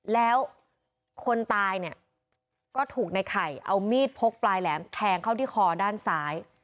แล้วคนตายเนี่ยก็ถูกในไข่เอามีดพกปลายแหลมแทงเข้าที่คอด้านซ้าย